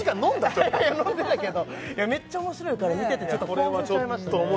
ちょっと飲んでないけどめっちゃ面白いから見ててちょっと興奮しちゃいましたね